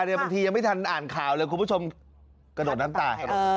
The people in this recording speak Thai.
บางทียังไม่ทันอ่านข่าวเลยคุณผู้ชมกระโดดน้ำตาย